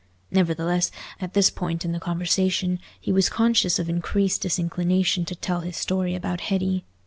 Nevertheless, at this point in the conversation, he was conscious of increased disinclination to tell his story about Hetty.